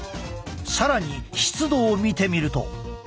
更に湿度を見てみると。